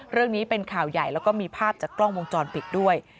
เรื่องนี้เป็นข่าวใหญ่แล้วก็มีภาพจากกล้องวงจรปิดด้วย